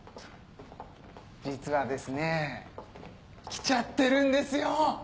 実はですね来ちゃってるんですよ！